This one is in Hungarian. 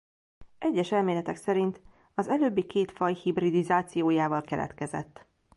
Egyes elméletek szerint az előbbi két faj hibridizációjával keletkezett.